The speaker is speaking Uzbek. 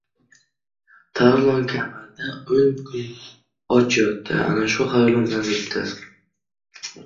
Tarlon kamarda o‘n kun och yotdi, ana shu xayolimdan o‘tdi.